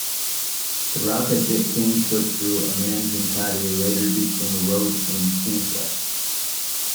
The route that Dick King took through Amanzimtoti later became a road named Kingsway.